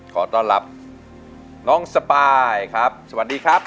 ขอต้อนรับน้องสปายครับสวัสดีครับ